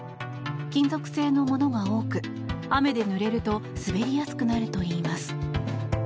金属製のものが多く雨でぬれると滑りやすくなるといいます。